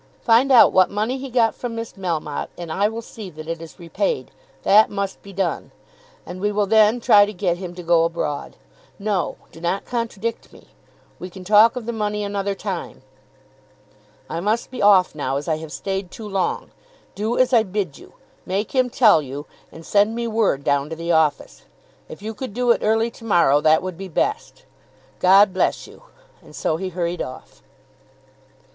Find out what money he got from Miss Melmotte and I will see that it is repaid. That must be done; and we will then try to get him to go abroad. No; do not contradict me. We can talk of the money another time. I must be off now, as I have stayed too long. Do as I bid you. Make him tell you, and send me word down to the office. If you could do it early to morrow, that would be best. God bless you." And so he hurried off.